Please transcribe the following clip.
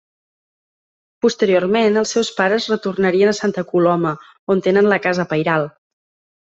Posteriorment, els seus pares retornarien a Santa Coloma, on tenen la casa pairal.